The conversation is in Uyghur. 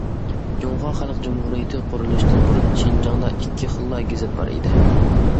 جۇڭخۇا خەلق جۇمھۇرىيىتى قۇرۇلۇشتىن بۇرۇن، شىنجاڭدا ئىككى خىللا گېزىت بار ئىدى.